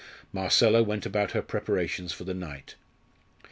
Marcella went about her preparations for the night.